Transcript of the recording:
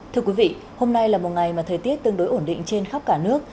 thưa quý vị hôm nay là một ngày mà thời tiết tương đối ổn định trên khắp cả nước